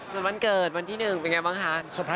สันวันเกิดวันที่หนึ่งเป็นอย่างไรบ้างฮะ